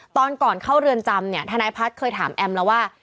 ตอนก่อนเข้าเรือนจำเนี่ยทนายพัฒน์เคยถามแอมแล้วว่า